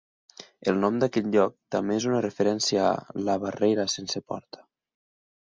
El nom d'aquest lloc també és una referència a "La barrera sense porta".